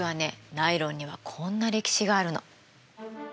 ナイロンにはこんな歴史があるの。